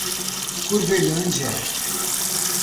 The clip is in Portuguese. Curvelândia